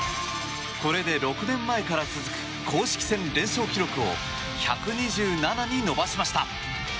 これで６年前から続く公式戦連勝記録を１２７に伸ばしました。